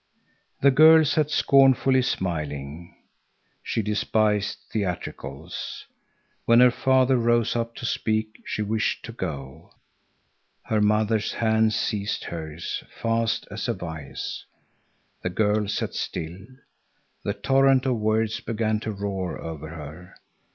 The girl sat scornfully smiling. She despised theatricals. When her father rose up to speak, she wished to go. Her mother's hand seized hers, fast as a vice. The girl sat still. The torrent of words began to roar over her.